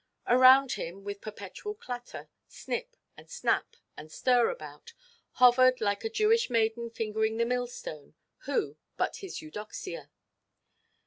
Around him, with perpetual clatter, snip and snap and stirabout, hovered, like a Jewish maiden fingering the mill–stone, who but his Eudoxia?